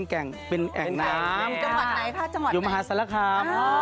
โปรดติดตามต่อไป